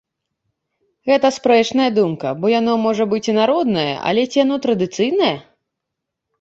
Гэта спрэчная думка, бо яно, можа быць, і народнае, але ці яно традыцыйнае?